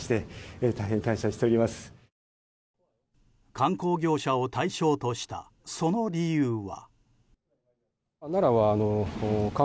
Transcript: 観光業者を対象としたその理由は？